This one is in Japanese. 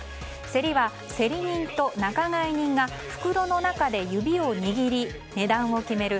競りは競り人と仲買人が袋の中で指を握り値段を決める